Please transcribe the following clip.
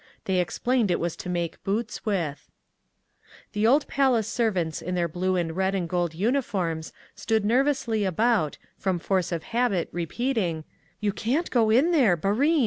They explained it was to make boots with…. The old Palace servants in their blue and red and gold uniforms stood nervously about, from force of habit repeating, "You can't go in there, _barin!